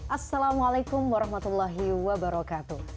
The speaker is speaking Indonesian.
assalamualaikum warahmatullahi wabarakatuh